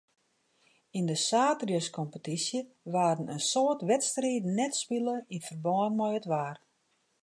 Yn de saterdeiskompetysje waarden in soad wedstriden net spile yn ferbân mei it waar.